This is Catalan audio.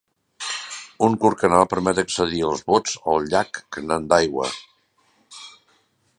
Un curt canal permet accedir els bots al llac Canandaigua.